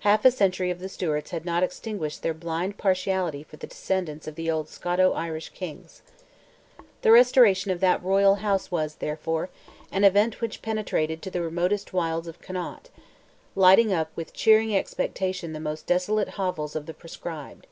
Half a century of the Stuarts had not extinguished their blind partiality for the descendants of the old Scoto Irish kings. The restoration of that royal house was, therefore, an event which penetrated to the remotest wilds of Connaught, lighting up with cheering expectation the most desolate hovels of the proscribed.